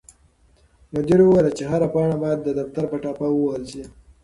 مدیر وویل چې هره پاڼه باید د دفتر په ټاپه ووهل شي.